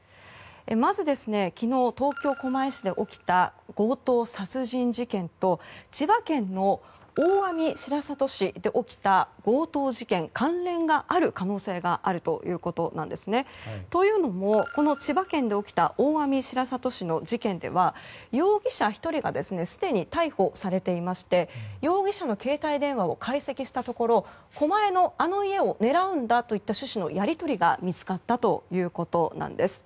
まず昨日、東京・狛江市で起きた強盗殺人事件と千葉県の大網白里市で起きた強盗事件関連がある可能性があるということなんですね。というのも、千葉県で起きた大網白里市の事件では容疑者１人がすでに逮捕されていまして容疑者の携帯電話を解析したところ狛江のあの家を狙うんだといった趣旨のやり取りが見つかったということなんです。